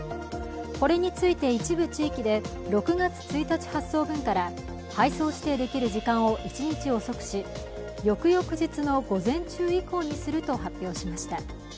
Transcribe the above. これについて一部地域で６月１日発送分から配送指定できる時間を１日遅くし翌々日の午前中以降にすると発表しました。